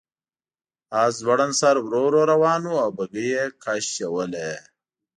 آس ځوړند سر ورو ورو روان و او بګۍ یې کش کوله.